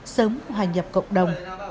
sớm hòa nhập cộng đồng